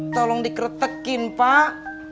tolong dikretekin pak